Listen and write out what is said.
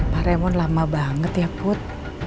pak raymond lama banget ya put